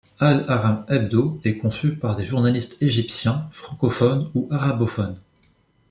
Al-Ahram Hebdo est conçu par des journalistes égyptiens francophones ou arabophones.